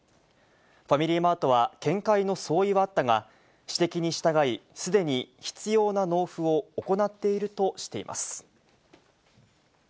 ファミリーマートは、見解の相違はあったが、指摘に従い、すでに必要な納付を行っているとしています。